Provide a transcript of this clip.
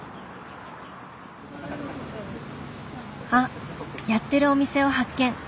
あっやってるお店を発見。